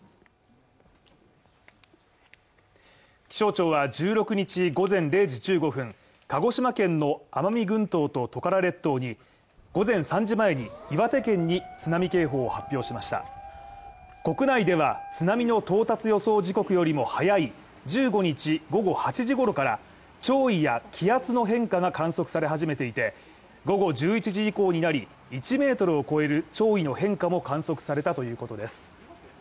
気象庁は１６日午前０時１５分、鹿児島県の奄美群島トカラ列島に午前３時前に岩手県に津波警報を発表しました国内では、津波の到達予想時刻よりも早い１５日午後８時ごろから、潮位や気圧の変化が観測され始めていて、午後１１時以降になり１ｍを超える潮位の変化も観測されたということです。